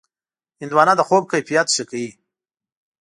هندوانه د خوب کیفیت ښه کوي.